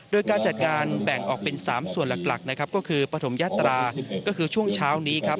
โดยการจัดการแบ่งออกเป็น๓ส่วนหลักนะครับก็คือปฐมยาตราก็คือช่วงเช้านี้ครับ